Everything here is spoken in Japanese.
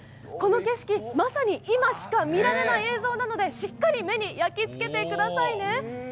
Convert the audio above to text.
この景色、まさに今しか見られない映像なので、しっかり目に焼き付けてくださいね。